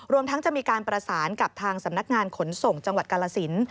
รวมทั้งจะมีการประสานกับทางสำนักงานขนส่งจังหวัดกาลสิน